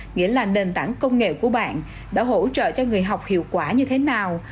nghĩa là nền tảng công nghệ của bạn đã hỗ trợ cho người học hiệu quả như thế nào